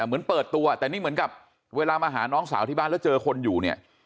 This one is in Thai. เหมือนเปิดตัวแต่นี่เหมือนกับเวลามาหาน้องสาวที่บ้านแล้วเจอคนอยู่เนี่ย